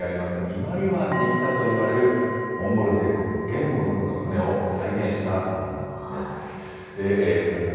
伊万里湾に来たといわれる、モンゴル帝国・元の国の船を再現したものなんです。